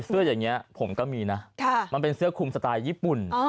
เสื้ออย่างนี้ผมก็มีนะมันเป็นเสื้อคุมสไตล์ญี่ปุ่น